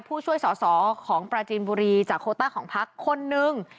ผู้ช่วยสอสอของปราจีนบุรีจากโคต้าของพักคนนึง